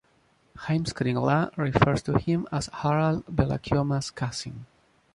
Heimskringla refers to him as Harald Bellachioma’s cousin.